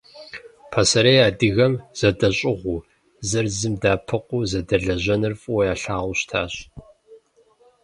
Пасэрей адыгэм зэдэщӀыгъуу, зыр зым дэӀэпыкъуу зэдэлэжьэныр фӀыуэ ялъагъуу щытащ.